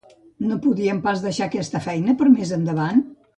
No podien pas deixar aquesta feina per més endavant?